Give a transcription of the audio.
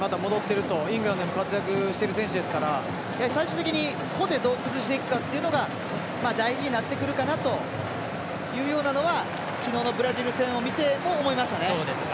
イングランドでも活躍してる選手ですから最終的にどう崩していくかというのが大事になってくるかなというようなのは昨日のブラジル戦を見ても思いましたね。